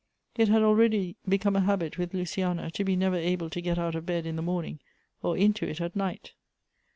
It had already become a habit with Luciana to be never able to get out of bed in the morning or into it at night.